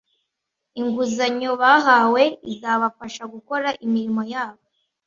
inguzanyo bahawe izabafasha gukora imirimo yabo